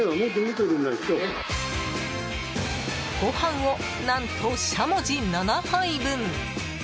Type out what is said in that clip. ご飯を何と、しゃもじ７杯分。